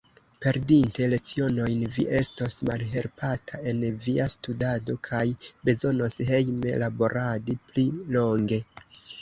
Perdinte lecionojn, vi estos malhelpata en via studado kaj bezonos hejme laboradi pli longe.